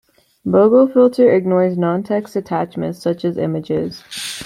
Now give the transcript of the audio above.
Bogofilter ignores non-text attachments, such as images.